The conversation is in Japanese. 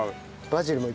バジルも。